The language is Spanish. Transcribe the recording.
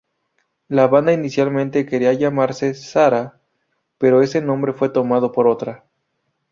La banda inicialmente quería llamarse Sahara", pero ese nombre fue tomado por otra.